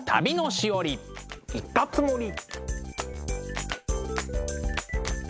行ったつもり！